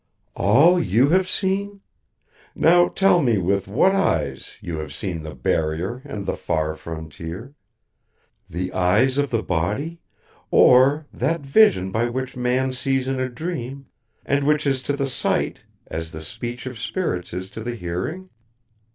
"All you have seen? Now tell me with what eyes you have seen the Barrier and the Far Frontier? The eyes of the body, or that vision by which man sees in a dream and which is to the sight as the speech of spirits is to the hearing?"